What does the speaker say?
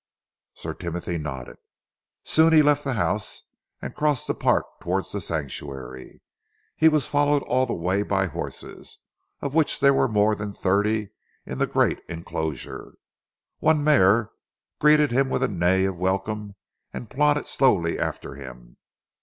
Sir Timothy nodded. Soon he left the house and crossed the park towards The Sanctuary. He was followed all the way by horses, of which there were more than thirty in the great enclosure. One mare greeted him with a neigh of welcome and plodded slowly after him.